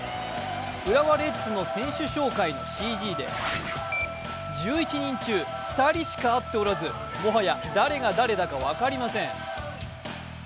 浦和レッズの選手紹介のＣＧで１１人中２人しか合っておらず、もはや誰が誰だか分かりません。